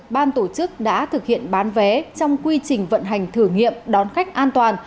ban tổ chức đã thực hiện bán vé trong quy trình vận hành thử nghiệm đón khách an toàn